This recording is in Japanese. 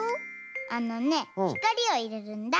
あのねひかりをいれるんだ。